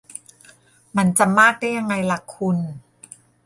มันจะมากได้ยังไงล่ะคุณ -_